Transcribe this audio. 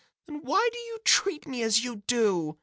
" Then, why do you treat me as you do